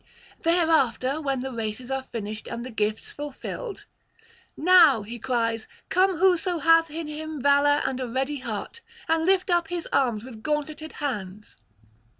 Thereafter, when the races are finished and the gifts fulfilled: 'Now,' he cries, 'come, whoso hath in him valour and ready heart, and lift up his arms with gauntleted hands.'